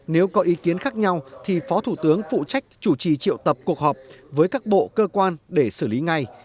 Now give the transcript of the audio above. nếu có ý kiến khác nhau thì phó thủ tướng phụ trách chủ trì triệu tập cuộc họp với các bộ cơ quan để xử lý ngay